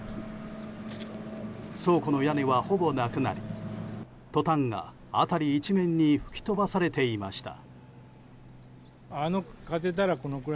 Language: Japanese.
倉庫の屋根は、ほぼなくなりトタンが辺り一面に吹き飛ばされていました。